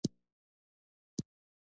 پنځوس غمونه به هم ورته ورغاړې وي.